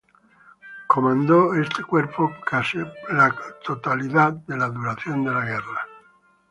Comandó este Cuerpo por casi la totalidad de la duración de la guerra.